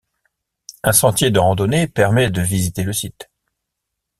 Un sentier de randonnée permet de visiter le site.